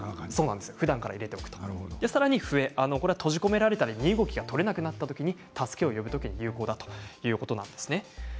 ふだんから入れておくとさらに笛、閉じ込められて身動きが取れなくなったときに助けを呼ぶときに有効だということです。